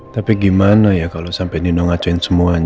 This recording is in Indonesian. tapi gimana ya kalau sampai nino ngacuin semuanya